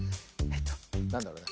なんだろうな。